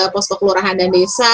posko kelurahan dan desa